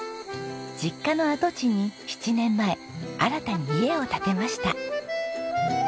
実家の跡地に７年前新たに家を建てました。